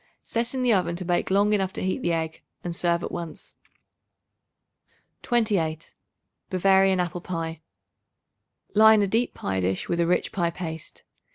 Set in the oven to bake long enough to heat the egg, and serve at once. 28. Bavarian Apple Pie. Line a deep pie dish with rich pie paste.